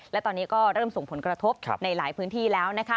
และตอนนี้ก็เริ่มส่งผลกระทบในหลายพื้นที่แล้ว